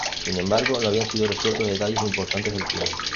Sin embargo, no habían sido resueltos detalles importantes del crimen.